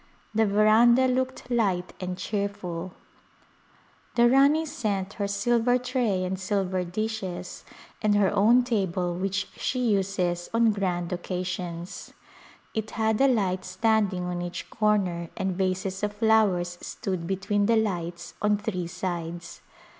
The veranda looked light and cheerful. The Rani A Glimpse of India sent her silver tray and silver dishes and her own table which she uses on grand occasions. It had a light standing on each corner and vases of flowers stood between the lights on three sides.